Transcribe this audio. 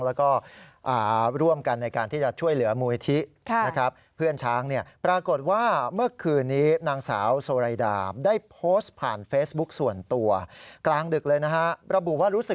แล้วก็ร่วมกันในการที่จะช่วยเหลือมูลิธินะครับ